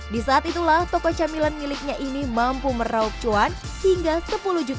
di saat itulah toko camilan miliknya ini mampu meraup cuan hingga sepanjang bulan